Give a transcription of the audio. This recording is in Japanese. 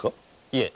いえ。